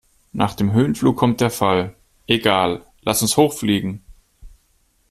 Nach dem Höhenflug kommt der Fall. Egal, lass uns hoch fliegen!